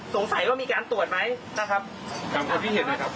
สงสัยว่ามีการตรวจไหมนะครับตามคนที่เห็นนะครับ